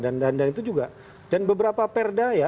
dan itu juga dan beberapa perda ya